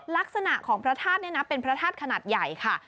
ลักษณะของพระธาตุเนี่ยนะเป็นพระธาตุขนาดใหญ่ค่ะ